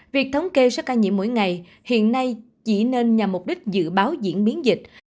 việc thống kê số ca nhiễm mỗi ngày hiện nay chỉ nên nhằm mục đích dự báo diễn biến dịch